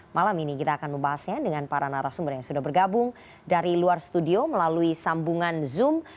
malam ini kita akan membahasnya dengan para narasumber yang sudah bergabung dari luar studio melalui sambungan zoom